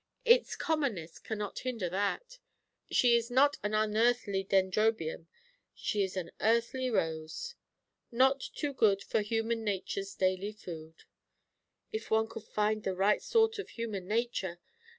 It's commonness cannot hinder that. She is not an unearthly Dendrobium, she is an earthly rose 'Not too good For human nature's daily food,' if one could find the right sort of human nature!